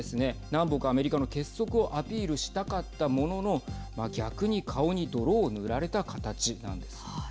南北アメリカの結束をアピールしたかったものの逆に顔に泥を塗られた形なんです。